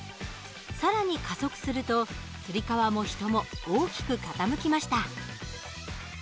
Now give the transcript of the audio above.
更に加速するとつり革も人も大きく傾きました。